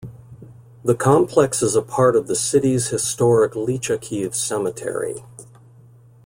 The complex is a part of the city's historic Lychakiv Cemetery.